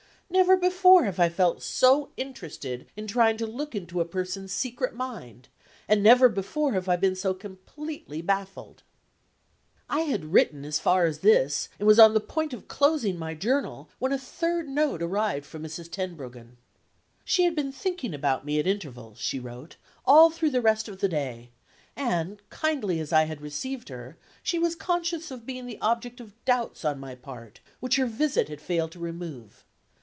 Never before have I felt so interested in trying to look into a person's secret mind; and never before have I been so completely baffled. I had written as far as this, and was on the point of closing my Journal, when a third note arrived from Mrs. Tenbruggen. She had been thinking about me at intervals (she wrote) all through the rest of the day; and, kindly as I had received her, she was conscious of being the object of doubts on my part which her visit had failed to remove.